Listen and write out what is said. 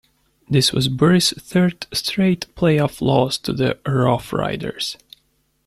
This was Burris' third straight play-off loss to the Roughriders.